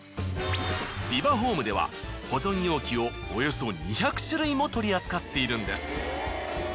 ビバホームでは保存容器をおよそ２００種類も取り扱っているんです。